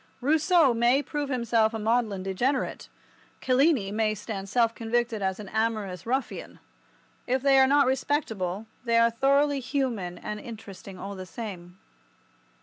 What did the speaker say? Rousseau may prove himself a maudlin degenerate. Cellini may stand self convicted as an amorous ruffian. If they are not respectable they are thoroughly human and interesting all the same.